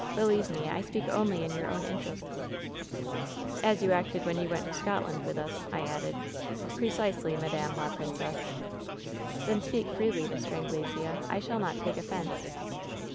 Believe me, I speai only in your own interests ^" 'As you acted when you went to Scotland with us/ I added. " Trecisely, Madame la Princesse/ " 'Then speak freely, Mr. Anglesea. I shall not take offense.